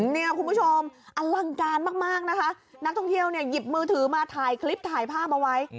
เนี่ยคุณผู้ชมอลังการมากนะคะนักท่องเที่ยวเนี่ยหยิบมือถือมาถ่ายคลิปถ่ายภาพเอาไว้